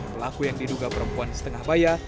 pelaku yang diduga perempuan setengah bayar